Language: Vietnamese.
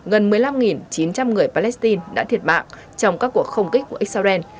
gần một mươi năm chín trăm linh người palestine đã thiệt mạng trong các cuộc không kích của israel